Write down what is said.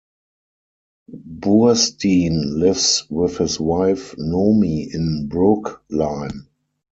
Burstein lives with his wife Nomi in Brookline.